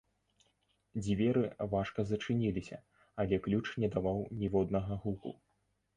Дзверы важка зачыніліся, але ключ не даваў ніводнага гуку.